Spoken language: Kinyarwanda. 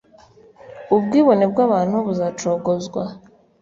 ubwibone bw'abantu buzacogozwa